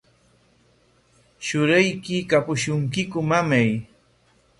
¿Shurayki kapushunkiku, mamay?